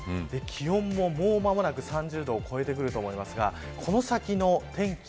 気温も、もう間もなく３０度を超えてくると思いますがこの先の天気